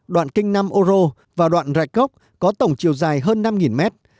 đoạn kinh nam âu rô và đoạn rạch góc có tổng chiều dài hơn năm mét